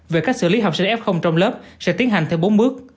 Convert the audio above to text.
về cách xử lý học sinh f trong lớp sẽ tiến hành theo bốn bước